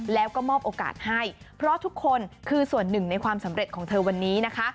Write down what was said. แล้วก็มอบโอกาสให้เพราะทุกคนคือส่วนหนึ่งในความสำเร็จของเธอวันนี้นะคะ